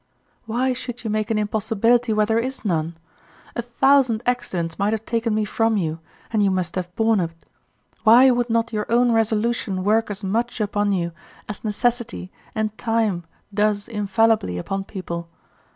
Why should you make an impossibility where there is none? A thousand accidents might have taken me from you, and you must have borne it. Why would not your own resolution work as much upon you as necessity and time does infallibly upon people?